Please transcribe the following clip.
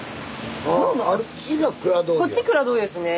こっち蔵通りですね。